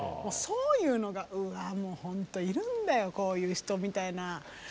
そういうのがうわもうほんといるんだよこういう人みたいな。